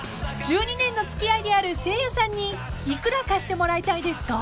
［１２年の付き合いであるせいやさんに幾ら貸してもらいたいですか？］